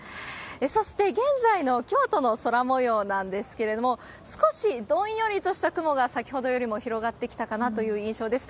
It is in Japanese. そして、現在の京都の空もようなんですけれども、少しどんよりとした雲が先ほどよりも広がってきたかなという印象です。